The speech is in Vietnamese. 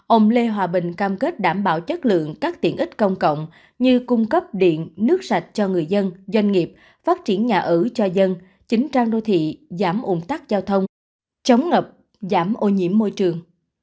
ông lê hòa bình cam kết đảm bảo chất lượng các tiện ích công cộng như cung cấp điện nước sạch cho người dân doanh nghiệp phát triển nhà ở cho dân chính trang đô thị giảm ủng tắc giao thông chống ngập giảm ô nhiễm môi trường